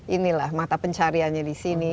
inilah mata pencariannya disini